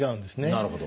なるほど。